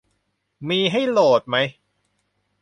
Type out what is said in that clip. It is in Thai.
มีให้โหลดไหม